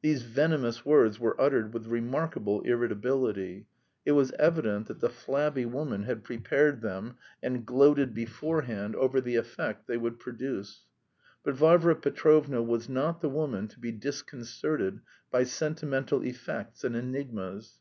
These venomous words were uttered with remarkable irritability. It was evident that the "flabby" woman had prepared them and gloated beforehand over the effect they would produce. But Varvara Petrovna was not the woman to be disconcerted by sentimental effects and enigmas.